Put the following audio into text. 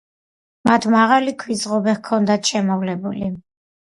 მათ მაღალი ქვის ღობე ჰქონდათ შემოვლებული.